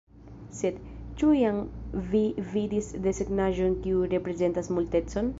Sed, ĉu iam vi vidis desegnaĵon kiu reprezentas Multecon?